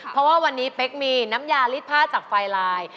เพราะว่าวันนี้เป๊กมีน้ำยาลิดผ้าจากไฟลาย